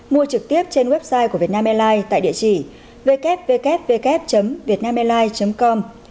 mua trực tiếp trên website của vietnam airlines tại địa chỉ www vietnamairlines com